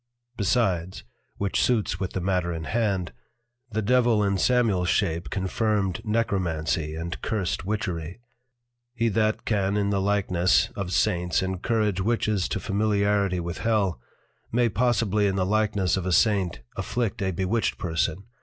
Besides, (which suits with the matter in hand) the Devil in Samuels shape confirmed Necromancy and Cursed Witchery. He that can in the likeness of Saints encourage Witches to Familiarity with Hell, may possibly in the likeness of a Saint afflict a Bewitched Person.